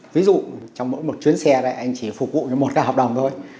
ví dụ trong mỗi một chuyến xe này anh chỉ phục vụ một cái hợp đồng thôi